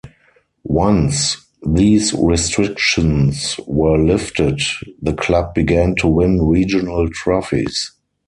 Once these restrictions were lifted, the club began to win regional trophies.